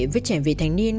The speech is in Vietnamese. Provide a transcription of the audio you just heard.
với trẻ về thanh niên